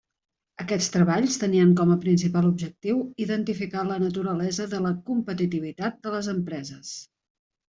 Aquests treballs tenien com a principal objectiu identificar la naturalesa de la competitivitat de les empreses.